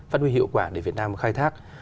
phát huy hiệu quả để việt nam khai thác